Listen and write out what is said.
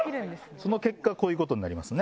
その結果こういうことになりますね。